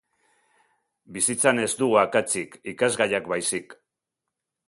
Bizitzan ez dugu akatsik, ikasgaiak baizik.